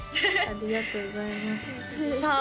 ありがとうございますさあ